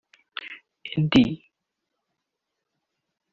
Ed